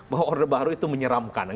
bahwa orde baru itu menyeramkan